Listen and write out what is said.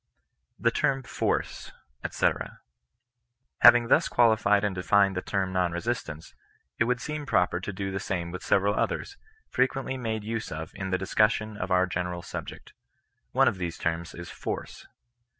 THE TERM FORCE, ETC. Having thus qualified and defined the term non resist ance, it would seem proper to do the same with several others, frequently made use of in the discussion of our general subject. One of these terms is force.